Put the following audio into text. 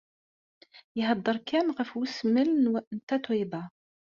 Iheddeṛ kan ɣef wesmel n Tatoeba.